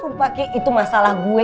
sumpah kiki itu masalah gue